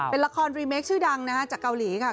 เป็นละครรีเมคชื่อดังนะฮะจากเกาหลีค่ะ